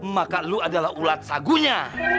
maka lu adalah ulat sagunya